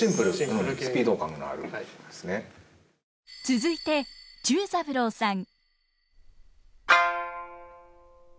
続いて忠三郎さん。